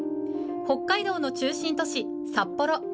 北海道の中心都市・札幌。